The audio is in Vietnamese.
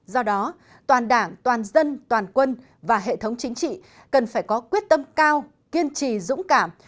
do đó toàn đảng toàn dân toàn quân và hệ thống chính trị cần phải có quyết tâm cao kiên trì dũng cảm